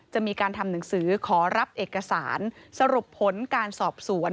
จะมีการทำหนังสือขอรับเอกสารสรุปผลการสอบสวน